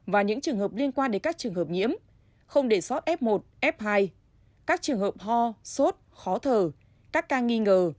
và những trường hợp liên quan đến các trường hợp nhiễm không để sót f một f hai các trường hợp ho sốt khó thở các ca nghi ngờ